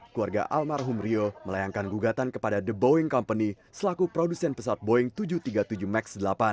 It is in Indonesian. keluarga almarhum rio melayangkan gugatan kepada the boeing company selaku produsen pesawat boeing tujuh ratus tiga puluh tujuh max delapan